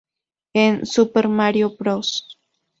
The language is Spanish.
En "Super Mario Bros.